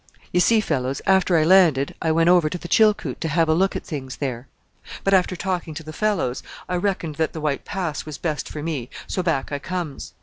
"You see, fellows, after I landed I went over to the Chilkoot to have a look at things there; but after talking to the fellows I reckoned that the White Pass was best for me, so back I comes.